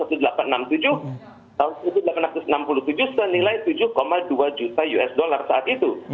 tahun seribu delapan ratus enam puluh tujuh senilai tujuh dua juta usd saat itu